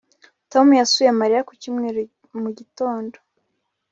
Tom yasuye Mariya ku cyumweru mu gitondo